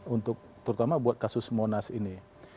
untuk terutama buat kasus monas ini